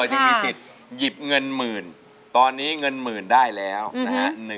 ยังมีสิทธิ์หยิบเงินหมื่นตอนนี้เงินหมื่นได้แล้วนะฮะ